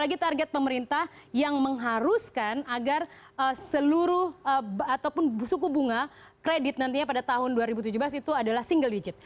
lagi target pemerintah yang mengharuskan agar seluruh ataupun suku bunga kredit nantinya pada tahun dua ribu tujuh belas itu adalah single digit